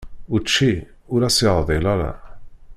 Učči, ur as-yeɛḍil ara.